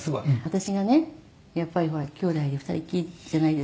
「私がねやっぱりほら姉弟で二人っきりじゃないですか」